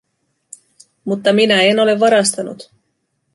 Mutta minä en ole varastanut.